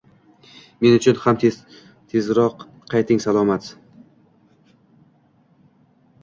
Men uchun xam tezrok kayting salomat